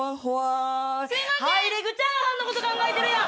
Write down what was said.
ハイレグチャーハンのこと考えてるやん。